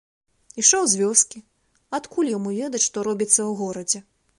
Ішоў з вёскі, адкуль яму ведаць, што робіцца ў горадзе.